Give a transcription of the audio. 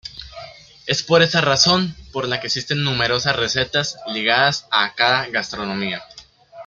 Es por esta razón por la que existen numerosas recetas ligadas a cada gastronomía.